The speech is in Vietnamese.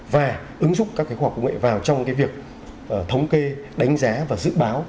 và ứng dụng các khoa học công nghệ vào trong việc thống kê đánh giá và dự báo